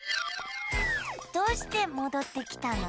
どうしてもどってきたの？